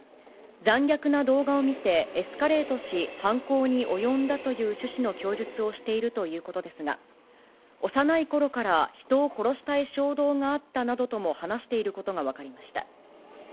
残虐な動画を見てエスカレートし、犯行に及んだという趣旨の供述をしているということですが、幼いころから人を殺したい衝動があったなどとも話していることが分かりました。